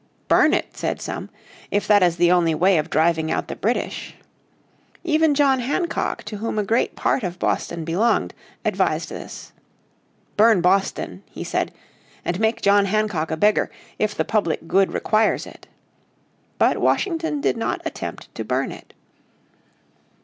Burn it," said some, "if that is the only way of driving out the British." Even John Hancock to whom a great part of Boston belonged advised this. "Burn Boston," he said," and make John Hancock a beggar, if the public good requires it." But Washington did not attempt to burn it.